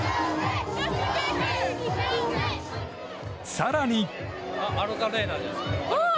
更に。